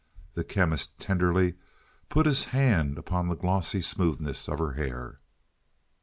The Chemist tenderly put his hand upon the glossy smoothness of her hair.